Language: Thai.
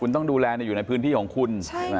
คุณต้องดูแลอยู่ในพื้นที่ของคุณ